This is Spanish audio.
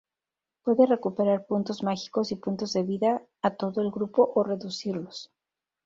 Puede recuperar puntos mágicos y puntos de vida a todo el grupo o reducirlos.